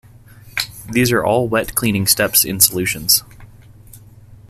These are all wet cleaning steps in solutions.